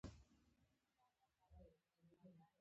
اوس زما زړه هم د همداسې يوې ښيښې په شان مات شوی.